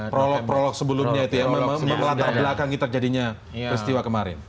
prolog prolog sebelumnya itu ya melantar belakang terjadinya peristiwa kemarin